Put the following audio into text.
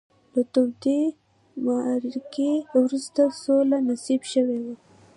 له تودې معرکې وروسته سوله نصیب شوې وي.